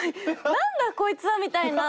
何だこいつは？みたいな。